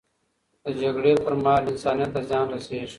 د جګړې پر مهال، انسانیت ته زیان رسیږي.